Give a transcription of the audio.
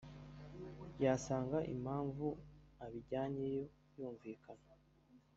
yasanga impamvu ibajyanyeyo yumvikana